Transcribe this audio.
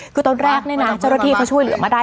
คือตอนแรกเนี่ยนะเจ้าหน้าที่เขาช่วยเหลือมาได้